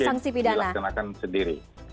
walaupun di situ tidak mungkin dilaksanakan sendiri